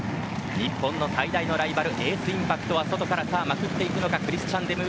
日本の最大のライバルエースインパクトは外からまくっていくのか。